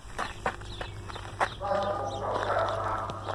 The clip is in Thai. พระราชพงศาวดารพม่า